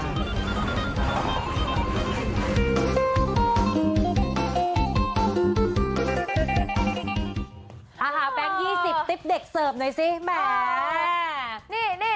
อาหารแบงค์๒๐ติ๊บเด็กเสิร์ฟหน่อยสิแหม